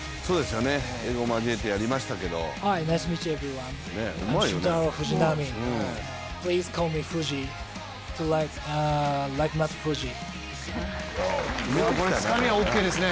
英語を交えてやりましたけどうまいよね。